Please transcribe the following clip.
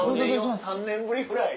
３年ぶりぐらい？